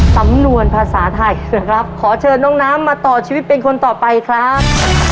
สำนวนภาษาไทยนะครับขอเชิญน้องน้ำมาต่อชีวิตเป็นคนต่อไปครับ